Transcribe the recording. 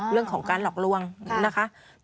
เรื่องของการหลอกลวงนะคะ